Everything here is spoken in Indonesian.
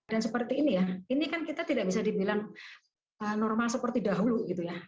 dan seperti ini ya ini kan kita tidak bisa dibilang normal seperti dahulu gitu ya